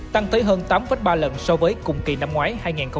tăng tới hơn tám ba lần so với cùng kỳ năm ngoái hai nghìn hai mươi hai